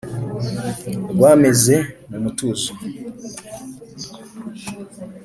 rwameze mu mutuzo